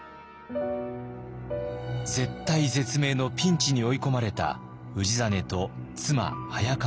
絶体絶命のピンチに追い込まれた氏真と妻早川殿。